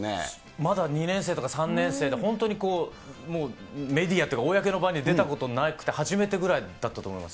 まだ２年生とか３年生で、本当にメディアというか、公の場に出たことなくて初めてぐらいだったと思います。